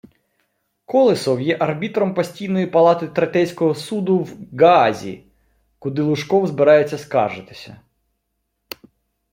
Колесов є арбітром Постійної палати Третейського суду в Гаазі, куди Лужков збирається скаржитися